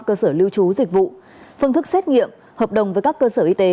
cơ sở lưu trú dịch vụ phương thức xét nghiệm hợp đồng với các cơ sở y tế